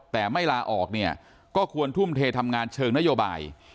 แต่ไม่ลาออกเนี่ยก็ควรทุ่มเททำงานเชิงนโยบาย